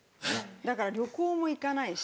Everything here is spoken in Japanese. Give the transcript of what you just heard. だから旅行も行かないし。